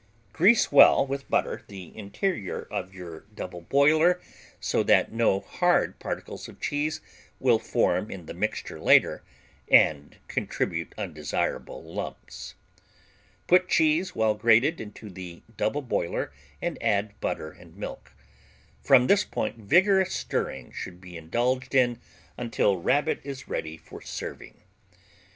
Grease well with butter the interior of your double boiler so that no hard particles of cheese will form in the mixture later and contribute undesirable lumps. Put cheese, well grated, into the double boiler and add butter and milk. From this point vigorous stirring should be indulged in until Rabbit is ready for serving.